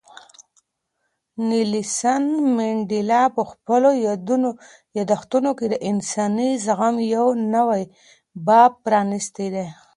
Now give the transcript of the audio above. نیلسن منډېلا په خپلو یادښتونو کې د انساني زغم یو نوی باب پرانیستی دی.